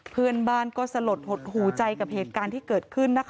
เพื่อนบ้านก็สลดหูใจกับเหตุการณ์ที่เขาย่อน